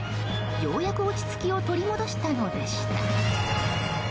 ようやく落ち着きを取り戻したのでした。